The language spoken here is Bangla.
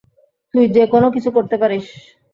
তুই যেকোনো কিছু করতে পারিস।